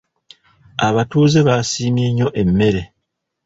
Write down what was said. Abatuuze baasiima nnyo emmere.